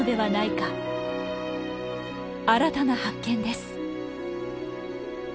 新たな発見です。